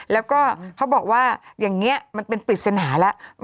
แล้วก็เขาบอกว่าอย่างนี้มันเป็นปริศนาแล้ว